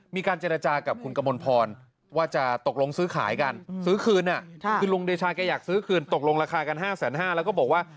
มีการเจรจากับคุณกมลพรว่าจะตกลงซื้อขายกันซื้อคืนคือลุงเดชาแกอยากซื้อคืนตกลงราคากัน๕๕๐๐แล้วก็บอกว่า